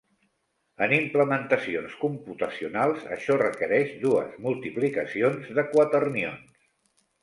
En implementacions computacionals, això requereix dues multiplicacions de quaternions.